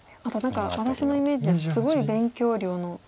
また何か私のイメージではすごい勉強量の。